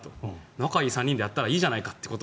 仲のいい３人で住んだらいいじゃないかと。